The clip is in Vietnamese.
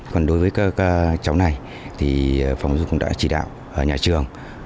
còn đối với các cháu này thì phòng giáo dục công đoạn chỉ đạo nhà trường